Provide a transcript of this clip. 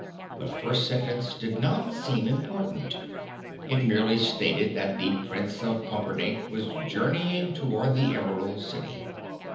The first sentence did not seem important. It merely stated that the Prince of Pumperdink was journeying toward the Emerald City.